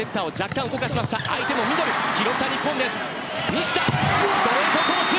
西田、ストレートコース！